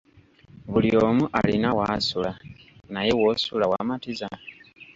Buli omu alina w'asula, naye w'osula wamatiza?